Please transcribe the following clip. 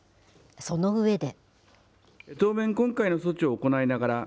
その上で。